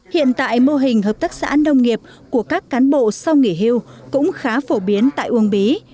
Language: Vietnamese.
hiện tại mô hình hợp tác xã nông nghiệp của các cán bộ sau nghỉ hưu cũng khá phổ biến tại uông bí